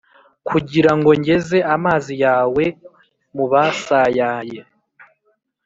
Kugirango ngeze amazi yawe mubasayaye